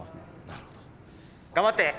頑張って！